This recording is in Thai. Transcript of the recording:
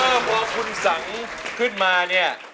มองคุณสังขึ้นมาเนี่ย